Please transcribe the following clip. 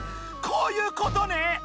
こういうことね。